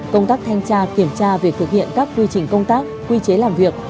công tác thanh tra kiểm tra việc thực hiện các quy trình công tác quy chế làm việc